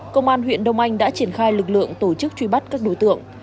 công an huyện đông anh đã triển khai lực lượng tổ chức truy bắt các đối tượng